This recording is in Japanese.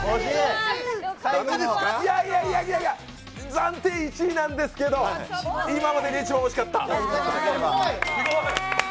暫定１位なんですけど、今までで一番惜しかった。